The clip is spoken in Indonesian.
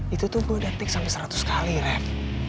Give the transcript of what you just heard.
itu tuh gue detik sampe seratus kali rev